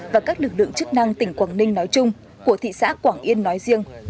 và các lực lượng chức năng tỉnh quảng ninh nói chung của thị xã quảng yên nói riêng